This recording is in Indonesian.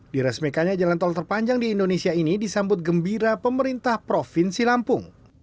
diresmikannya jalan tol terpanjang di indonesia ini disambut gembira pemerintah provinsi lampung